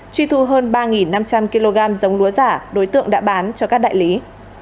truy thu hơn ba năm trăm linh kg giống lúa giả đối tượng đã bán cho các đại lý